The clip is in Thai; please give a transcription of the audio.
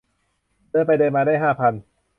เดินไปเดินมาได้ห้าพัน